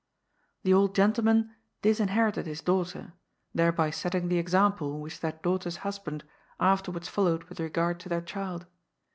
The old gentleman disinherited his daughter, thereby setting the exai^iple which that daughter's husband after wards followed/with regard to their child.